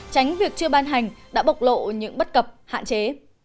tránh việc chưa ban hành đã bộc lộ những bất cập hạn chế